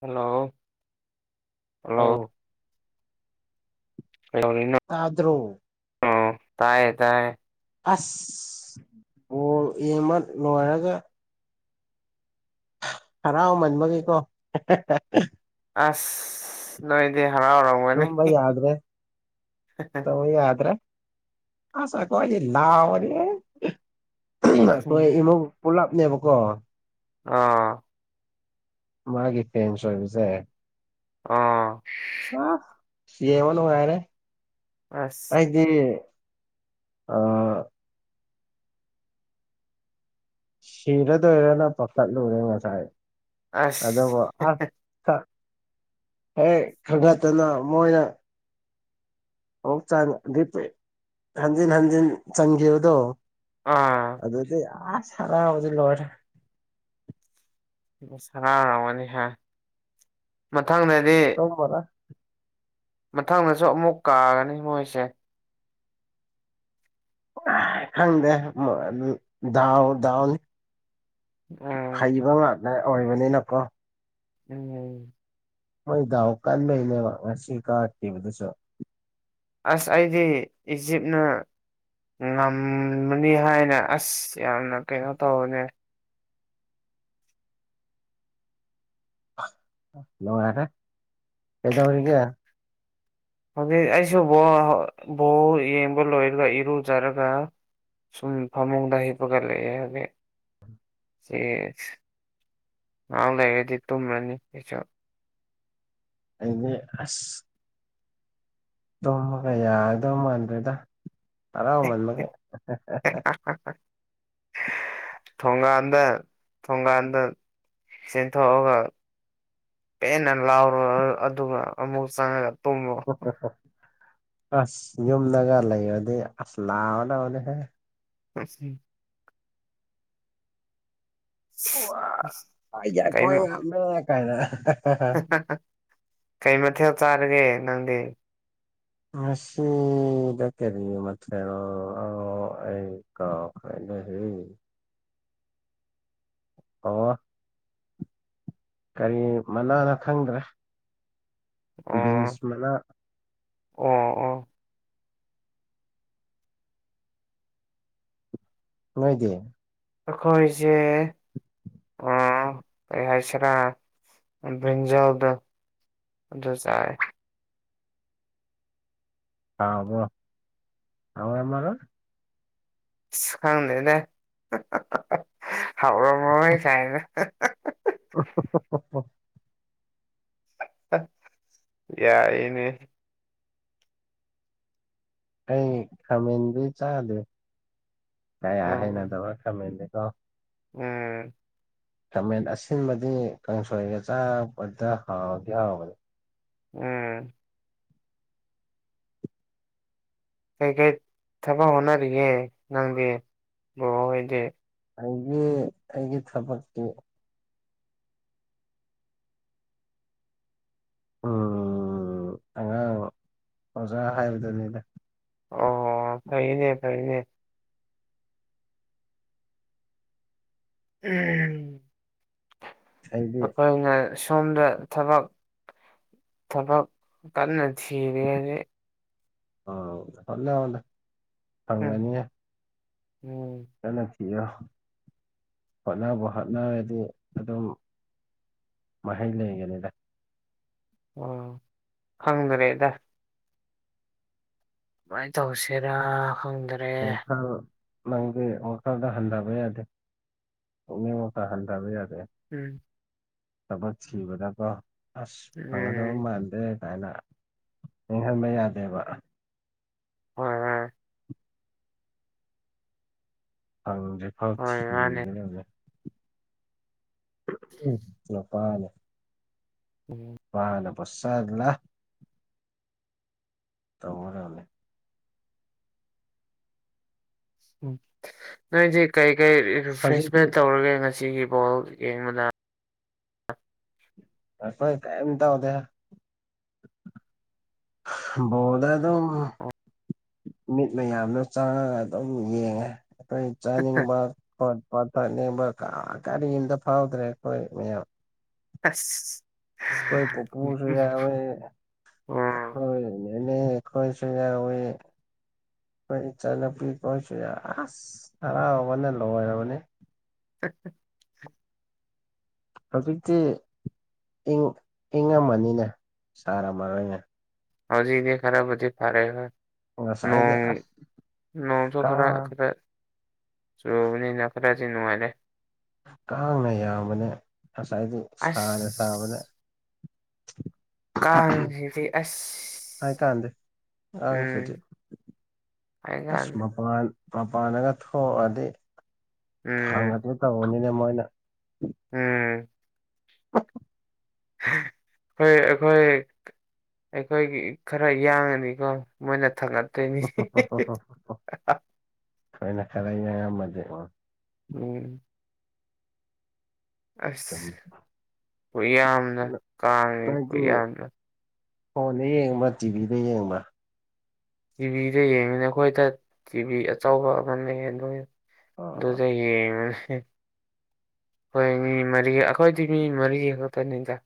hello hello ꯑꯧ ꯀꯩꯗꯧꯔꯤꯅꯣ ꯇꯥꯗ꯭ꯔꯣ ꯑꯣ ꯇꯥꯏꯌꯦ ꯇꯥꯏꯌꯦ ꯑꯁ ꯕꯣꯜ ꯌꯦꯃ ꯂꯣꯏꯔꯒ ꯍꯔꯥꯎ ꯃꯟꯕꯒꯤꯀꯣ ꯑꯁ ꯅꯣꯏꯗꯤ ꯍꯔꯥꯎꯔꯝ ꯇꯨꯝꯕ ꯌꯥꯗ꯭ꯔꯦ ꯇꯧ ꯌꯥꯗ꯭ꯔꯦ ꯑꯁ ꯑꯀꯣꯏꯗꯤ ꯂꯥꯎꯕꯅꯦꯍꯦ ꯑꯈꯣꯏ ꯏꯃꯨꯡ ꯄꯨꯂꯞꯅꯦꯕꯀꯣ ꯑꯥ ꯃꯥꯒꯤ ꯐꯦꯟꯁ ꯑꯣꯏꯕꯖꯦ ꯑꯥ [unintelligible] ꯌꯦꯡꯕ ꯅꯨꯡꯉꯥꯏꯔꯦ ꯑꯁ ꯑꯩꯗꯤ ꯑꯥ ꯁꯤꯔꯗꯣꯏꯔꯅ ꯄꯈꯠꯂꯨꯔꯦ ꯉꯁꯥꯏ ꯑꯁ ꯑꯗꯨꯕꯨ ꯑꯁ ꯑꯦ ꯈꯪꯒꯠꯇꯅ ꯃꯣꯏꯅ ꯑꯣ [unintelligible] ꯍꯟꯖꯤꯟ ꯍꯟꯖꯤꯟ ꯆꯪꯈꯤꯕꯗꯣ ꯑꯥ ꯑꯗꯨꯗꯤ ꯑꯁ ꯍꯔꯥꯎꯕꯗꯤ ꯂꯣꯏꯔꯦ ꯍꯔꯥꯎꯔꯥꯝꯒꯅꯤꯍꯦ ꯃꯊꯪꯗꯗꯤ ꯇꯨꯝꯃꯥꯔꯣꯏ ꯃꯊꯪꯗꯁꯨ ꯑꯃꯨꯛ ꯀꯥꯒꯅꯤ ꯃꯣꯏꯁꯦ ꯈꯪꯗꯦ ꯗꯥꯎ ꯗꯥꯎꯅꯤ ꯎꯝ ꯍꯩꯕ ꯉꯥꯛꯇ ꯑꯣꯏꯕꯅꯤꯅꯀꯣ ꯎꯝ ꯃꯣꯏ ꯗꯥꯎ ꯀꯥꯟꯕꯩꯅꯦꯕ ꯉꯁꯤ ꯀꯥꯈꯤꯕꯗꯨꯁꯨ ꯑꯁ ꯑꯩꯗꯤ ꯏꯖꯤꯞꯅ ꯉꯝꯃꯅꯤ ꯍꯥꯏꯅ ꯑꯁ ꯌꯥꯝꯅ ꯀꯩꯅꯣ ꯇꯧꯕꯅꯦ ꯅꯔꯦ ꯀꯗꯕꯒ ꯍꯧꯛ ꯑꯩꯁꯨ ꯕ ꯕꯣ ꯌꯦꯡꯕ ꯂꯣꯏꯔꯒ ꯏꯔꯨꯖꯔꯒ ꯁꯨꯝ ꯐꯃꯨꯡꯗ ꯍꯩꯄꯒꯂꯑꯦ ꯍꯥꯏꯒꯦ ꯁꯤ ꯅꯥꯡꯗ ꯍꯗꯤ ꯇꯨꯝ꯭ꯔꯅꯤꯁ ꯑꯗꯤ ꯑ ꯇꯨꯝꯃꯒ ꯌꯥꯒꯗꯧ ꯃꯥꯟꯗ꯭ꯔꯦꯗ ꯍꯔꯥꯎꯃꯟꯃꯒꯦ ꯍꯣꯏ ꯍꯣꯏ ꯊꯣꯡꯒꯥꯟꯗ ꯊꯣꯡꯒꯥꯟꯗ ꯆꯦꯟꯊꯣꯛꯑꯒ ꯄꯅꯂꯔ ꯑꯗꯨꯨꯛ ꯆ ꯑꯣ ꯑꯣ ꯍꯣ ꯑꯁ ꯌꯨꯝꯗꯒ ꯂꯩꯔꯗꯤ ꯑꯁ ꯂꯥꯎꯑꯣ ꯂꯅꯦꯍꯦ ꯐꯁ ꯑꯣ ꯌꯥ ꯀꯩ ꯃ ꯀꯃꯦ ꯀꯥꯏꯅ ꯀꯩ ꯃꯊꯦꯜ ꯆꯥꯔꯒꯦ ꯅꯪꯗꯤ ꯃꯁꯤꯗ ꯀꯦꯔꯤ ꯃꯊꯅꯣ ꯑ ꯑꯩ ꯀꯥꯎ ꯈꯥꯏꯅ ꯍꯌꯦ ꯑꯣ ꯀꯔꯤ ꯃꯅꯥꯅ ꯈꯪꯗ꯭ꯔꯦ ꯑꯣ ꯕꯤꯟꯁ ꯃꯅꯥ ꯑꯣ ꯑꯣ ꯂꯣꯏꯗꯤꯦ ꯑꯩꯈꯣꯏꯁꯦ ꯑꯣ ꯍꯥꯏꯁ꯭ꯔꯥ ꯟꯖꯕ ꯑꯗꯨꯖꯥ ꯍꯥꯎꯕ ꯍꯥꯎ ꯑꯃꯔ ꯁꯨꯈꯪꯗꯦꯅꯦ ꯍꯥꯎꯔꯝꯃꯣꯏ ꯀꯥꯏꯅ ꯎ ꯎ ꯌꯥꯏꯅꯦ ꯑꯩ ꯈꯥꯃꯦꯟꯗꯤ ꯆꯥꯗꯦ ꯀꯌꯥ ꯎꯝ ꯍꯩꯅꯗꯕ ꯈꯥꯃꯦꯟꯗꯤ ꯀꯣ ꯎꯝ ꯈꯥꯃꯦꯟ ꯑꯁꯤꯟꯕꯗꯤ ꯀꯥꯡꯁꯣꯏꯒ ꯆꯥꯄꯗ ꯍꯥꯎꯕꯗꯤ ꯍꯥꯎꯕꯅꯤ ꯎꯝ ꯀꯩꯀꯩ ꯊꯕꯛ ꯍꯣꯠꯅꯔꯤꯒꯦ ꯅꯪꯗꯤ ꯕꯕꯍꯣꯏꯗꯤ ꯑꯩꯒꯤꯦ ꯑꯩꯒꯤ ꯆꯄꯠꯠꯇꯦ ꯎꯝ ꯑꯉꯥꯡ ꯑꯣꯖꯥ ꯍꯥꯏꯕꯗꯨꯅꯤꯗ ꯑꯣ ꯊꯩꯅꯦ ꯇꯩꯅꯦ ꯎꯝ ꯑꯩꯗꯤ ꯑꯩꯈꯣꯏꯅ ꯁꯣꯝꯗ ꯊꯕꯛ ꯊꯕꯛ ꯀꯟꯅꯗꯤꯁꯤꯔꯦ ꯑꯣ ꯍꯣꯠꯅ ꯍꯗ ꯎꯝ ꯐꯪꯒꯅꯤꯌꯦ ꯎꯝ ꯀꯠꯅ ꯄꯤꯌꯣ ꯍꯣꯠꯅꯕ ꯍꯣꯠꯅꯔꯗꯤ ꯑꯗꯨꯝ ꯃ ꯃꯍꯩꯜ ꯌꯦꯡꯦꯅꯤꯗ ꯑꯣ ꯈꯪꯗꯔꯦꯗ ꯀꯃꯥꯏꯅ ꯇꯧꯁꯤꯔꯥ ꯈꯪꯗꯅ ꯄꯈ ꯅꯪꯗꯤ ꯋꯥꯜꯗ ꯍꯟꯊꯕ ꯌꯥꯗꯦ ꯄꯨꯛꯅꯤꯡ ꯋꯥꯈꯜ ꯍꯟꯊꯕ ꯌꯥꯗꯦ ꯎꯝ ꯊꯕꯛ ꯊꯕꯗꯀꯣ ꯑꯁ ꯐꯪꯒꯗꯕ ꯎꯝ ꯃꯥꯜ [unintelligible] ꯀꯥꯏꯅ ꯅꯤꯡꯍꯟꯕ ꯌꯥꯗꯦꯕ ꯍꯣꯏ ꯍꯣꯏ ꯐꯪꯗ꯭ꯔꯤꯐꯥꯎ ꯍꯣꯏ ꯃꯥꯅꯦ ꯊꯤꯒꯅ [unintelligible] [unintelligible] ꯎꯝ ꯅꯨꯄꯥꯅꯕꯨ ꯁꯂꯥ ꯇꯧꯒꯗꯕꯅꯤ ꯎꯝ ꯅꯣꯏꯁꯝ ꯀꯔꯤ ꯀꯔꯤ ꯍꯧꯖꯤꯛꯇꯤ ꯔꯤꯐ꯭ꯔꯦꯁꯃꯦꯟ ꯇꯧꯔꯒꯦ ꯉꯁꯤꯒꯤꯕꯣ [unintelligible] ꯑꯩꯈꯣꯏ ꯀꯥꯏꯝ ꯇꯥꯎꯗꯦ [unintelligible] ꯕꯜꯣꯗ ꯑꯗꯨꯝ ꯑꯣ ꯃꯤꯠ ꯃꯌꯥꯝꯗꯨ ꯆꯡꯉꯒ ꯑꯗꯨꯝ ꯌꯦꯡꯉꯦ ꯑꯩꯈꯣꯏ ꯆꯥꯅꯤꯡꯕ [unintelligible] ꯀꯔꯤꯝꯗ ꯐꯥꯎꯗ꯭ꯔꯦ ꯑꯩꯈꯣꯏ ꯃꯌꯥꯝ ꯑꯁ ꯀꯣꯏ ꯄꯨꯄꯨꯁꯨ ꯌꯥꯎꯏ ꯎꯝ ꯑꯩꯈꯣꯏ ꯅꯦꯅꯦꯈꯣꯏꯁꯨ ꯌꯥꯎꯏ ꯑꯩꯈꯣꯏ ꯏꯆꯥ ꯅꯨꯄꯤꯈꯣꯏꯁꯨ ꯌꯥ ꯑꯁ ꯍꯔꯥꯎꯕꯅ ꯂꯣꯏꯔꯕꯅꯤ [unintelligible] ꯍꯧꯖꯤꯛꯇꯤ ꯏꯪ ꯏꯪ ꯉꯝꯃꯅꯤꯅꯦ ꯁꯥꯔꯝꯃꯔꯣꯏꯅꯦ ꯍꯧꯖꯤꯛꯗꯤ ꯈꯔꯕꯨꯗꯤ ꯐꯔꯦ ꯍꯣꯏ ꯉꯁꯥꯏꯗꯤ ꯅꯣꯡ ꯑꯁ ꯅꯣꯡꯁꯨ ꯈꯔ ꯀꯥꯡ [unintelligible] ꯆꯨꯔꯕꯅꯤꯅ ꯈꯔꯗꯤ ꯅꯨꯡꯉꯥꯏꯔꯦ ꯀꯥꯡꯅ ꯌꯥꯝꯕꯅꯦ ꯉꯁꯥꯏꯗꯤ ꯁꯥꯅ ꯁꯥꯕꯅꯦ ꯑꯁ ꯀꯥꯡꯁꯤꯗꯤ ꯑꯁ ꯍꯥꯏ ꯀꯥꯟꯗꯦ ꯀꯥꯡꯁꯤꯗꯤ ꯎꯝ ꯑꯁ ꯍꯥꯏꯀꯥꯟꯗ ꯃꯄꯥꯟ ꯃꯄꯥꯟꯗꯒ ꯊꯣꯛꯑꯗꯤ ꯎꯝ ꯊꯥꯡꯍꯟꯒꯦ ꯇꯧꯕꯅꯤꯅꯦ ꯃꯣꯏꯅ ꯎꯝ [unintelligible] ꯈꯣꯏ ꯑꯩꯈꯣꯏ ꯑꯩꯈꯣꯏꯒꯤ ꯈꯔ ꯌꯥꯡꯉꯗꯤꯀꯣ ꯃꯣꯏꯅ ꯊꯛꯒꯛꯇꯣꯏꯅꯤ ꯈꯣꯏꯅ ꯈꯔ ꯌꯥꯡꯉꯝꯃꯗꯤ ꯑꯣ ꯎꯝ ꯑꯁ ꯆꯨꯝꯃꯦ ꯈꯨ ꯌꯥꯝꯗꯣ ꯀꯥꯡꯅꯦ ꯅꯣꯏꯗꯤ ꯇꯨꯌꯥꯝꯗꯣ ꯐꯣꯟꯗ ꯌꯦꯡꯕ꯭ꯔꯥ ꯇꯤꯚꯤꯗ ꯌꯦꯡꯕ꯭ꯔꯥ ꯇꯤꯚꯤꯗ ꯌꯦꯡꯉꯤꯅ ꯑꯩꯈꯣꯏꯗ ꯇꯤꯚꯤ ꯑꯆꯧꯕ ꯑꯃ ꯂꯩ ꯑꯗꯨ ꯑꯣ ꯑꯗꯨꯗ ꯌꯦꯡꯕꯅꯤ ꯑꯩꯈꯣꯏ ꯃꯤ ꯃꯔꯤ ꯑꯩꯈꯣꯏꯗꯤ ꯃꯤ ꯃꯔꯤ ꯈꯛꯇꯅꯤꯗ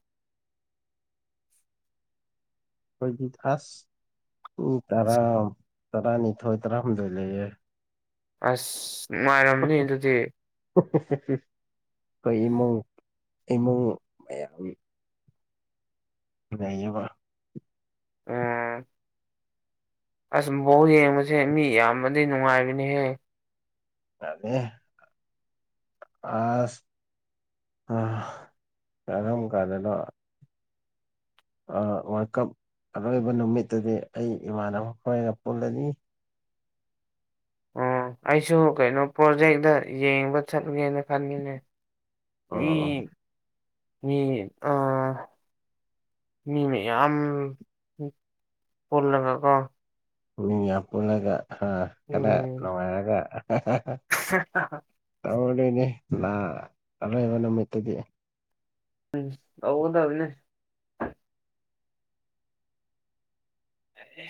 ꯑꯩꯈꯣꯏꯒꯤ ꯐꯥꯔꯥꯁ ꯃꯤ ꯇꯔꯥ ꯇꯔꯥꯅꯤꯊꯣꯏ ꯇꯔꯥꯍꯨꯝꯗꯣꯏ ꯂꯩꯌꯦ ꯑꯁ ꯅꯨꯉꯥꯏꯔꯝꯅꯤ ꯑꯗꯨꯗꯤ [unintelligible] ꯑꯩꯈꯣꯏ ꯏꯃꯨꯡ ꯏꯃꯨꯡ ꯃꯌꯥꯝ ꯂꯩꯏꯕ ꯎꯝ ꯑꯁ ꯕꯣꯜ ꯌꯦꯡꯕꯁꯦ ꯃꯤ ꯌꯥꯝꯃꯗꯤ ꯅꯨꯡꯉꯥꯏꯕꯅꯤꯍꯦ ꯌꯥꯗꯦꯍꯦ ꯑꯁ ꯑ ꯀꯔꯝ ꯀꯥꯟꯗꯅꯣ ꯑ ꯋꯥꯔꯜ ꯀꯞ ꯑꯔꯣꯏꯕ ꯅꯨꯃꯤꯠꯇꯗꯤ ꯑꯩ ꯏꯃꯥꯟꯅꯕ ꯈꯣꯏꯒ ꯄꯨꯜꯂꯅꯤ ꯎꯝ ꯑꯩꯁꯨ ꯀꯩꯅꯣ ꯄ꯭ꯔꯣꯖꯦꯛꯇ ꯌꯦꯡꯕ ꯆꯠꯂꯨꯒꯦꯅ ꯈꯟꯒꯦꯅ ꯈꯟꯂꯤꯅꯦ ꯃꯤ ꯑꯣ ꯃꯤ ꯑ ꯃꯤ ꯃꯌꯥꯝ ꯄꯨꯜꯂꯒꯀꯣ ꯃꯤ ꯌꯥꯝ ꯄꯨꯜꯂꯒ ꯍꯥ ꯈꯔ ꯎꯝ ꯅꯨꯡꯉꯥꯏꯔꯒ [unintelligible] [unintelligible] ꯇꯧꯔꯣꯏꯅꯦ ꯂ ꯑꯔꯣꯏꯕ ꯅꯨꯃꯤꯠꯇꯗꯤ ꯎꯝ ꯑꯗꯕꯅꯦ ꯑꯗꯨ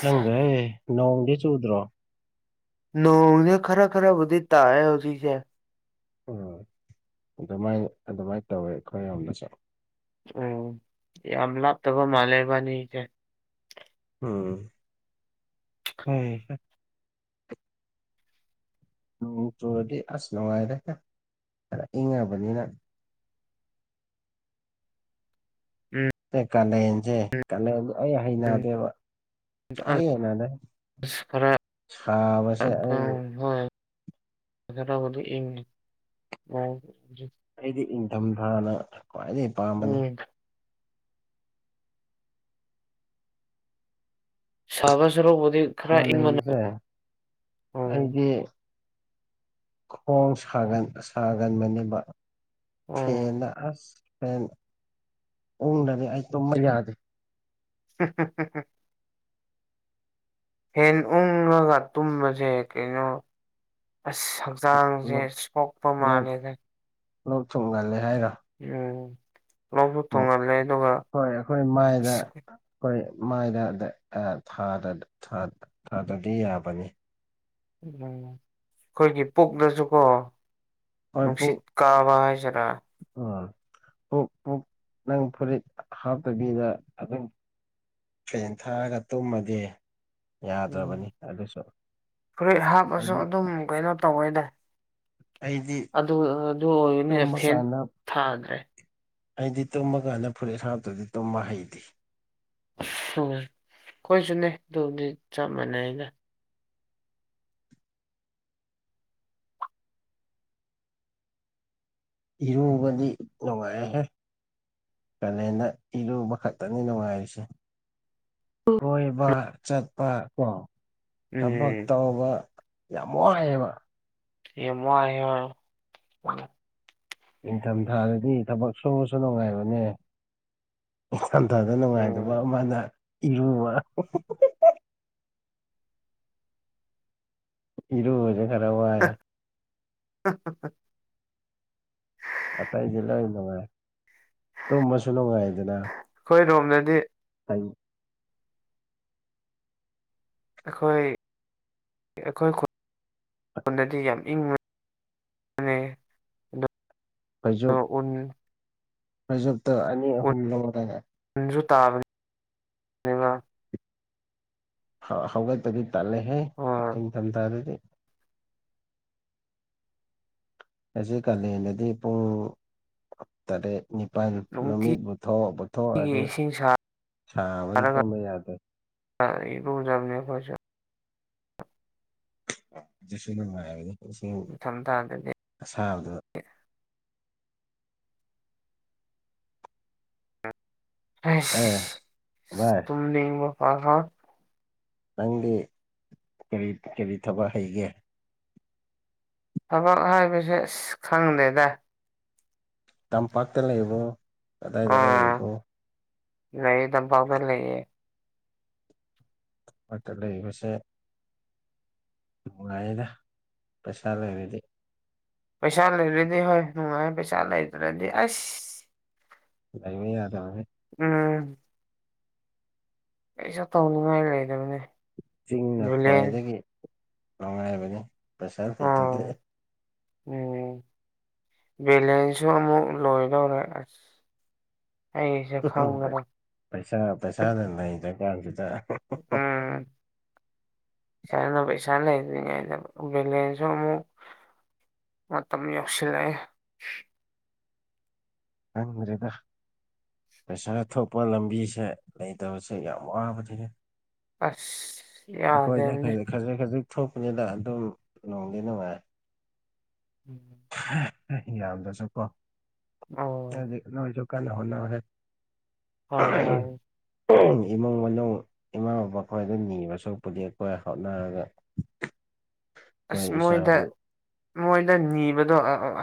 ꯆꯪꯗ꯭ꯔꯦ ꯅꯣꯡꯗꯤ ꯆꯨꯗ꯭ꯔꯣ ꯅꯣꯡꯅꯦ ꯈꯔ ꯈꯔꯤ ꯇꯥꯏ ꯍꯧꯖꯤꯁꯦ ꯎꯝ ꯑꯗꯨꯃꯥꯏꯅ ꯑꯗꯨꯃꯥꯏꯅ ꯇꯧꯋꯦ ꯑꯩꯈꯣꯏ ꯌꯗꯁꯨ ꯎꯝ ꯌꯥꯝꯂ ꯊꯕ ꯃꯥꯂꯦꯕꯅꯤ ꯀꯦ ꯎꯝ ꯍ ꯅꯣꯡ ꯆꯨꯔꯗꯤ ꯑꯁ ꯅꯨꯡꯉꯥꯏꯔꯦ ꯑꯗ ꯏꯪꯉꯕꯅꯤꯅ ꯎꯝ ꯇ ꯀꯥꯟ ꯂꯩꯦꯟꯁꯦ ꯀꯂ ꯑꯩ ꯍꯩꯅꯗꯦꯕ ꯍꯩꯅꯗ ꯑꯁ ꯈꯔ ꯁꯥꯕꯁꯦ ꯑꯩ ꯍꯣꯏ ꯀ ꯏ ꯑꯩꯗꯤ ꯏꯪꯊꯝꯊꯥꯅ ꯈ꯭ꯋꯥꯏꯗꯒꯤ ꯄꯥꯝꯕꯅꯤ ꯎꯝ ꯁꯥꯗ ꯁꯔꯨꯞ ꯃꯥꯂꯁꯦ ꯎꯝ ꯑꯩꯗꯤ ꯈꯣꯡ ꯁꯥꯒ ꯁꯥꯒꯟꯕꯅꯦꯕ ꯎꯝ ꯐꯦꯗ ꯑꯁ ꯐꯦꯟ ꯎꯪꯗꯗꯤ ꯑꯩ ꯇꯨꯝꯕ ꯌꯥꯗꯦ ꯍ ꯍ ꯍ ꯍꯦꯟ ꯎꯉꯒ ꯇꯨꯝꯕꯁꯦ ꯀꯩꯅꯣ ꯑꯁ ꯆꯥꯡꯁꯦ ꯂꯣꯛ ꯁꯣꯛꯄ ꯂꯣꯛ ꯃꯥꯅꯦꯗ ꯂꯣꯛ ꯊꯨꯡ ꯉꯜꯂꯦ ꯍꯥꯏꯔꯣ ꯎꯝ ꯂꯣꯛꯁꯨ ꯊꯨꯡꯍꯜꯂꯦ ꯑꯗꯨꯒ ꯍꯣꯏ ꯑꯩꯈꯣꯏ ꯃꯥꯏꯗ ꯑꯩꯈꯣꯏ ꯃꯥꯏꯗ ꯊꯥꯗꯗꯤ ꯌꯥꯕꯅꯤ ꯎꯝ ꯑꯩꯈꯣꯏꯒꯤ ꯄꯨꯛꯗꯁꯨ ꯀꯣ ꯍꯣꯏ ꯄꯨꯡ ꯅꯨꯡꯁꯤꯠ ꯀꯥꯕ ꯍꯥꯏꯁꯤꯔꯥ ꯎꯝ ꯑꯣꯛ ꯄꯨ ꯅꯪ ꯐꯨꯔꯤꯠ ꯍꯥꯞꯇꯕꯤꯗ ꯑꯗꯨꯝ ꯐꯦꯟ ꯊꯥꯔꯒ ꯇꯨꯝꯃꯗꯤ ꯎꯝ ꯌꯥꯗ꯭ꯔꯕꯅꯤ ꯑꯗꯨꯁꯨ ꯐꯨꯔꯤꯠ ꯍꯥꯞꯄꯁꯨ ꯍꯥꯏꯗꯤ ꯑꯗꯨꯝ ꯀꯩꯅꯣ ꯇꯧꯋꯦꯗ ꯑꯩꯗꯤ ꯑꯗꯨ ꯑꯗꯨ ꯑꯣꯏꯅꯤꯅ ꯇꯨꯝꯕ ꯐꯦꯟ ꯀꯥꯟꯗ ꯊꯥꯗ꯭ꯔꯦ ꯑꯩꯗꯤ ꯇꯨꯝꯃꯀꯥꯟꯗ ꯐꯨꯔꯤꯠ ꯍꯥꯔꯞꯇꯗꯤ ꯇꯨꯝꯕ ꯍꯩꯇꯦ ꯍ ꯑꯩꯏꯁꯨꯅꯦ ꯑꯗꯨꯝꯗꯤ ꯆꯞ ꯃꯥꯟꯅꯩ ꯑꯩꯅ ꯍꯔꯣꯕꯗꯤ ꯂꯉ ꯍꯥꯏ ꯀꯂꯅ ꯏꯔꯨꯕ ꯈꯛꯇꯅꯤ ꯅꯨꯡꯉꯥꯏꯔꯤꯁꯦ ꯀꯣꯏꯕ ꯆꯠꯄ ꯀꯣ ꯊꯕꯛ ꯎꯝ ꯇꯧꯕ ꯌꯥꯝ ꯋꯥꯉꯑꯦꯕ ꯏ ꯃꯣꯏ ꯑ ꯑ ꯅꯤꯡꯊꯝꯊꯥꯗꯗꯤ ꯊꯕꯛ ꯁꯨꯉꯁꯨ ꯅꯨꯡꯉꯥꯏꯕꯅꯦ ꯊꯟꯊꯥꯗ ꯅꯨꯡꯉꯥꯏꯇꯕ ꯎꯝ ꯃꯥꯅ ꯏꯔꯨꯕ ꯏꯔꯁ ꯈꯔ ꯋꯥꯏ ꯍ ꯍ ꯍ [unintelligible] ꯑꯇꯩꯁꯦ ꯂꯣꯏ ꯅꯨꯡꯉꯥꯏ ꯇꯨꯝꯃꯁꯨ ꯅꯨꯡꯉꯥꯏꯗꯅ ꯑꯩꯈꯣꯏ ꯔꯣꯝꯗꯗꯤ ꯍꯥꯏ ꯑꯩꯈꯣꯏ ꯑꯩꯈꯣꯏꯣꯟꯗꯗꯤ ꯌꯥꯝ ꯏꯪꯕ ꯑꯩꯈꯣꯏꯁꯨ ꯑꯣꯟ ꯐꯖꯨꯞꯇꯣ ꯑꯅꯤ ꯑꯍꯨꯝ ꯂꯧꯔꯦ ꯟꯁꯨ ꯇꯥꯕꯅꯤꯕ [inaudible] ꯍꯧꯒꯠꯕꯗꯤ ꯇꯜꯂꯦꯍꯦ ꯍꯣꯏ ꯅꯤꯡꯊꯝꯊꯥꯗꯗꯤ ꯍꯧꯖꯤꯛ ꯀꯥꯂꯦꯟꯗꯗꯤ ꯄꯨꯡ ꯇꯔꯦꯠ ꯅꯤꯄꯜ ꯅꯨꯡꯇꯤꯒꯤ ꯅꯨꯃꯤꯠꯊꯣꯛ ꯄꯨꯊꯣꯛꯑꯗꯤ ꯏꯁꯤꯡ ꯁꯥꯕꯅ ꯇꯝꯕ ꯌꯥꯗꯦ ꯑ ꯏꯕꯨꯖꯝꯅꯤ ꯈꯣꯏꯖ [inaudible] ꯁꯨ ꯅꯨꯡꯉꯥꯏꯕꯗ ꯁ ꯅꯤꯡꯊꯝꯊꯥꯗꯗꯤ ꯑꯁꯥꯕꯗꯣ ꯑꯦ ꯁ ꯚꯥꯏ ꯇꯨꯅꯤꯕ ꯍꯥꯥ ꯍꯥ [inaudible] ꯅꯪꯗꯤ ꯀꯔꯤ ꯀꯔꯤ ꯊꯕꯛ ꯍꯩꯒꯦ ꯊꯕꯛ ꯍꯥꯏꯕꯁꯦ ꯑꯁ ꯈꯪꯗꯦꯗ ꯇꯝꯄꯥꯛꯇ ꯂꯩꯕꯣ ꯀꯗꯥꯏꯗꯗ ꯑꯥ ꯂꯩꯕꯣ ꯂꯩꯌꯦ ꯇꯝꯄꯥꯎꯗ ꯂꯩꯌꯦ ꯇꯥꯝꯄꯥꯛꯇ ꯂꯩꯕꯁꯦ ꯅꯨꯡꯉꯥꯏꯗ ꯄꯩꯁꯥ ꯂꯩꯔꯗꯤ ꯄꯩꯁꯥ ꯂꯩꯔꯗꯤ ꯍꯣꯏ ꯅꯨꯡꯉꯥꯏ ꯄꯩꯁꯥ ꯂꯩꯇ꯭ꯔꯗꯤ ꯑꯁ ꯂꯩꯕ ꯌꯥꯗꯕꯅꯤ ꯎꯝ ꯀꯩꯁꯨ ꯇꯧꯅꯤꯡꯉꯥꯏ ꯂꯩꯗꯕꯅꯦ ꯆꯤꯡꯅ ꯕꯦꯂꯦꯟꯁ ꯈ꯭ꯋꯥꯏꯗꯒꯤ ꯅꯨꯡꯉꯥꯏꯕꯅꯤ ꯄꯩꯁꯥ ꯂꯩꯇꯔꯗꯤ ꯑꯥ ꯎꯝ ꯕꯦꯂꯦꯁ ꯁꯨ ꯑꯃꯨꯛ ꯂꯣꯏꯗꯧꯔꯦ ꯑꯩꯁꯦ ꯈꯪꯗꯔꯦ ꯄꯩꯁꯥ ꯄꯩꯁꯥꯅ ꯅꯩꯔꯀꯥꯟꯁꯤꯗ ꯎꯝ ꯄꯩꯁꯥꯅ ꯄꯩꯁꯥ ꯂꯩꯗ꯭ꯔꯤꯉꯩꯗ ꯕꯦꯂꯦꯟꯁꯁꯨ ꯑꯃꯨꯛ ꯃꯇꯝ ꯌꯧꯁꯤꯜꯂꯛꯑꯦ ꯈꯪꯗꯔꯦꯗ ꯄꯩꯁꯥ ꯊꯣꯛꯄ ꯂꯝꯕꯤꯁꯦ ꯂꯩꯇꯕꯁꯦ ꯌꯥꯝ ꯋꯥꯕꯅꯤꯅꯦ ꯑꯁ ꯑꯩꯈꯣꯏꯅ ꯌꯥꯗꯕꯅꯤ ꯈꯖꯤꯛ ꯈꯖꯤꯛ ꯊꯣꯛꯄꯅꯤꯅ ꯑꯗꯨꯝ ꯅꯣꯡꯗꯤ ꯅꯨꯡꯉꯥꯏ ꯎꯝꯝ ꯌꯥꯝꯗ꯭ꯔꯥꯁꯨꯀꯣ ꯑꯣ ꯍꯥꯏꯗꯤ ꯅꯣꯏꯁꯨ ꯀꯟꯅ ꯍꯣꯠꯅꯧ ꯍꯦ ꯍꯣꯏ ꯍꯣꯏ ꯏꯃꯨꯡ ꯃꯅꯨꯡ ꯏꯃꯥ ꯕꯕꯥ ꯈꯣꯏꯗ ꯅꯤꯕꯁꯨꯔꯧꯛꯕꯨꯗꯤ ꯑꯩꯈꯣꯏꯅ ꯍꯣꯠꯅꯔꯒ ꯑꯩꯈꯣꯏ ꯑꯁ ꯃꯣꯏꯗ ꯏꯁꯥꯒꯤ ꯃꯣꯏꯗ ꯅꯤꯕꯗꯣ ꯑ